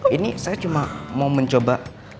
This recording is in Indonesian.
ini saya cuma mau mencoba